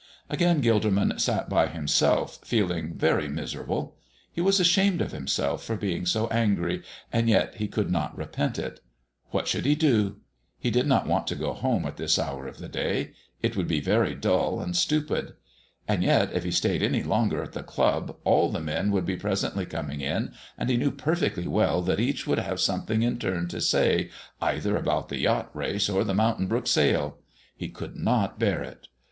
Again Gilderman sat by himself, feeling very miserable. He was ashamed of himself for being so angry, and yet he could not repent it. What should he do? He did not want to go home at this hour of the day; it would be very dull and stupid. And yet if he stayed any longer at the club all the men would be presently coming in, and he knew perfectly well that each would have something in turn to say either about the yacht race or the Mountain Brook sale. He could not bear it.